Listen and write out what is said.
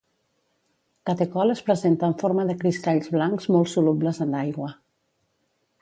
Catecol es presenta en forma de cristalls blancs molt solubles en aigua.